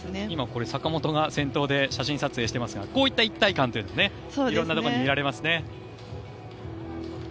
今、坂本が先頭で写真撮影していますがこういった一体感というのも色んなところで見られますね。